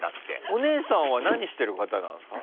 お姉さんは何してる方なんですか？